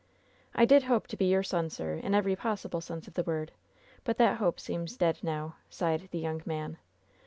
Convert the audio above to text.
"I did hope to be your son, sir, in every possible sraise of the word, but that hope seems dead now," sighed the young man.